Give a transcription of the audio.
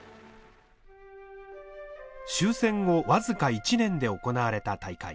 終戦後僅か１年で行われた大会。